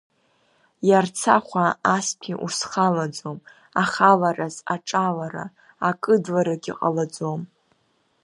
Иарцахәа астәи узхалаӡом, ахалараз аҿалара, акыдларагьы ҟалаӡом.